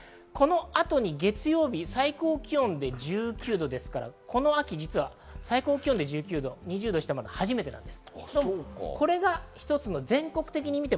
月曜日、最高気温１９度ですから、この後、実は最高気温１９度２０度を下回るのは初めてです。